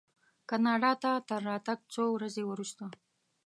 کاناډا ته تر راتګ څو ورځې وروسته.